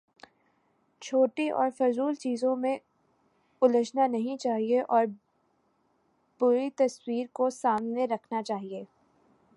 چھوٹی اور فضول چیزوں میں الجھنا نہیں چاہیے اور بڑی تصویر کو سامنے رکھنا چاہیے۔